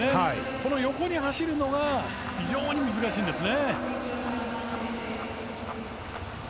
この横に走るのが非常に難しいんですね。